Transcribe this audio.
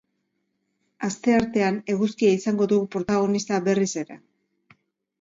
Asteartean, eguzkia izango dugu protagonista berriz ere.